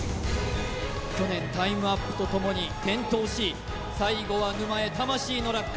去年タイムアップとともに転倒し最後は沼へ魂の落下